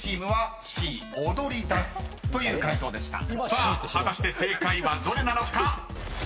［さあ果たして正解はどれなのか？］